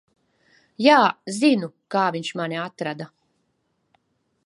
Jā, zinu, kā viņš mani atrada.